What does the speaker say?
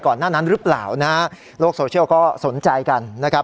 หน้านั้นหรือเปล่านะฮะโลกโซเชียลก็สนใจกันนะครับ